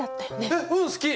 えっうん好き！